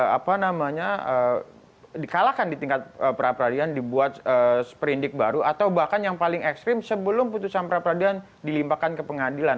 apa namanya dikalahkan di tingkat perapradilan dibuat seprindik baru atau bahkan yang paling ekstrim sebelum putusan perapradilan dilimpahkan ke pengadilan